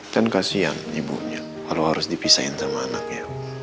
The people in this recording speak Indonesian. kan kasian ibunya kalau harus dipisahin sama anaknya